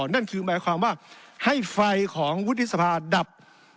นั่นคือหมายความว่าให้ไฟของวุฒิสภาดับ